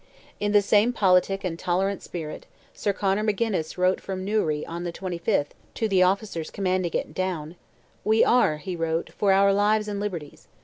In the same politic and tolerant spirit, Sir Conor Magennis wrote from Newry on the 25th to the officers commanding at Down. "We are," he wrote, "for our lives and liberties.